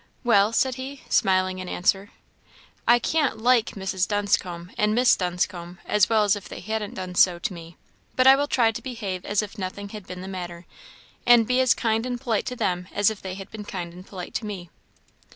"Well?" said he, smiling, in answer. I can't like Mrs. Dunscombe and Miss Dunscombe as well as if they hadn't done so to me, but I will try to behave as if nothing had been the matter, and be as kind and polite to them as if they had been kind and polite to me."